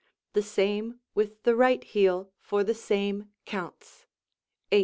The same with the right heel for the same counts (8).